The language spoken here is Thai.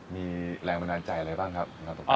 มีแรงบันดาลใจอะไรบ้างครับ